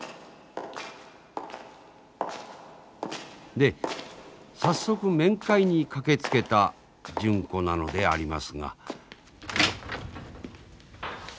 で早速面会に駆けつけた純子なのでありますが。